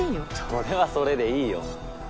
それはそれでいいよ。